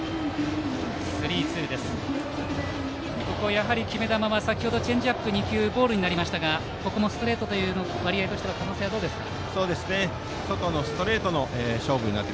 やはり決め球は先ほどチェンジアップ２球ボールになりましたがここもストレートという可能性はどうですか。